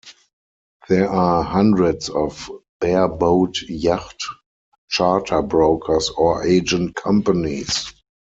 There are hundreds of bareboat yacht charter brokers or agent companies.